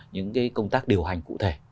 những cái công tác điều hành cụ thể